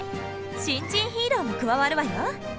新人ヒーローも加わるわよ。